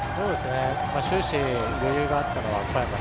終始、余裕があったのは小山さん